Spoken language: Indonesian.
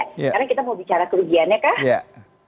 sekarang kita mau bicara kelebihannya kak